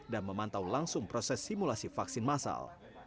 dan memantau langsung proses simulasi vaksin masal